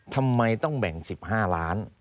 ทำไมต้องแบ่ง๑๕ล้าน